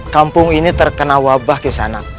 kampung ini terkena wabah di sana